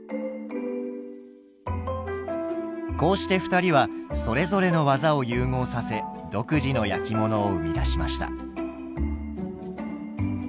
こうして２人はそれぞれの技を融合させ独自の焼き物を生み出しました。